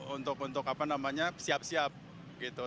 untuk siap siap gitu